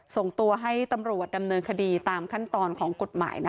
ส่งตัวให้ตำรวจดำเนินคดีตามขั้นตอนของกฎหมาย